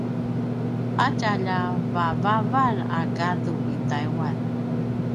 a tjalja vavavan a gadu i Taiwan